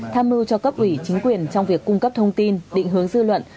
tham mưu cho cấp ủy chính quyền trong việc cung cấp thông tin định hướng dư luận